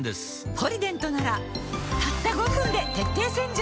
「ポリデント」ならたった５分で徹底洗浄